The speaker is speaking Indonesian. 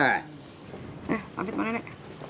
nah mampir sama nenek